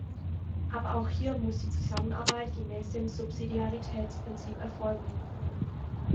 Aber auch hier muss die Zusammenarbeit gemäß dem Subsidiaritätsprinzip erfolgen.